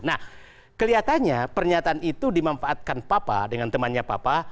nah kelihatannya pernyataan itu dimanfaatkan papa dengan temannya papa